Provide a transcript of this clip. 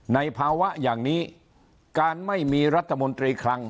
ในภาวะอย่างนี้การไม่มีรัฐมนตรีคลัง